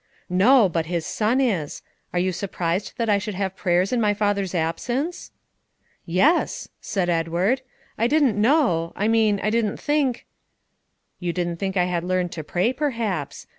"No; but his son is. Are you so surprised that I should have prayers in my father's absence?" "Yes," said Edward; "I didn't know I mean I didn't think" "You didn't think I had learned to pray, perhaps.